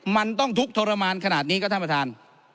มันต้องทุกข์ทรมานขนาดนี้ครับท่านประธาน